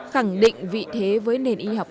khẳng định vị thế với nền y học